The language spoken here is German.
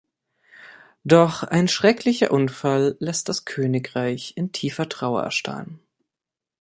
Doch ein schrecklicher Unfall lässt das Königreich in tiefer Trauer erstarren.